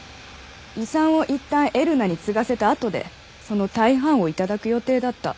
遺産をいったん江留奈に継がせたあとでその大半を頂く予定だった。